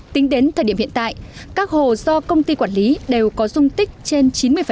tính đến thời điểm hiện tại các hồ do công ty quản lý đều có dung tích trên chín mươi